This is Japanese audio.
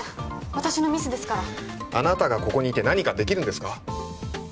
私のミスですからあなたがここにいて何かできるんですか？